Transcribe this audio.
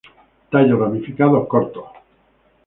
Tallos ramificados, cortos.